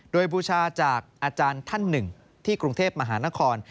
โดยบูชาจากอาจารย์ท่านหนึ่งที่กรุงเทพมหานคร